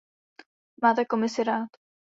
Máte Komisi rád.